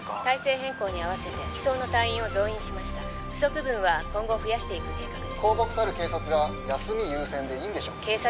体制変更に合わせて機捜の隊員を増員しました不足分は今後増やしていく計画です公僕たる警察が休み優先でいいんでしょうか？